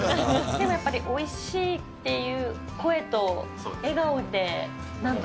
でもやっぱりおいしいっていう声と、笑顔で、なんとか。